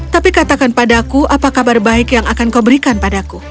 tapi katakan padaku apa kabar baik yang akan kau berikan padaku